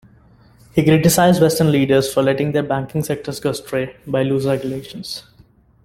He criticized Western leaders for letting their banking sectors go astray by loose regulations.